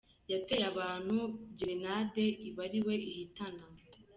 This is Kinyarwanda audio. Yateye abantu ’gerenade’ iba ari we ihitana